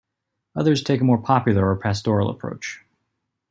Others take a more popular or pastoral approach.